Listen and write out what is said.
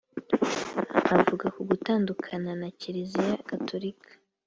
Avuga ku gutandukana na kiliziya gaturika